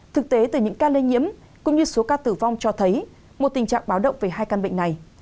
thực tế từ những ca lây nhiễm cũng như số ca tử vong cho thấy một tình trạng báo động về hai căn bệnh này